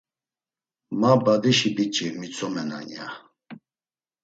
Ma badişi biç̌i mitzumenan ya.